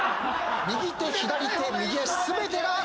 右手左手右足全てが赤。